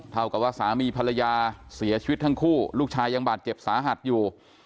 เท่ากับว่าสามีภรรยาเสียชีวิตทั้งคู่ลูกชายยังบาดเจ็บสาหัสอยู่